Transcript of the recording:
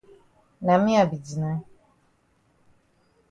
Na me I be deny.